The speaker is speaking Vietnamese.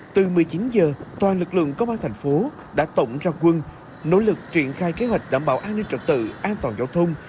từ một mươi chín h toàn lực lượng công an thành phố đã tổng ra quân nỗ lực triển khai kế hoạch đảm bảo an ninh trật tự an toàn giao thông